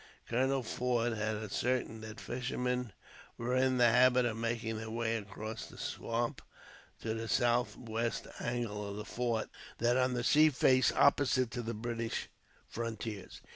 Colonel Forde had ascertained that fishermen were in the habit of making their way, across the swamp, to the southwest angle of the fort, that on the sea face opposite to the British frontiers.